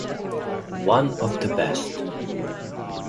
One of the best.